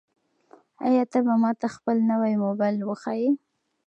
آیا ته به ماته خپل نوی موبایل وښایې؟